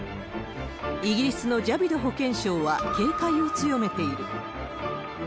イギリスのジャビド保健相は警戒を強めている。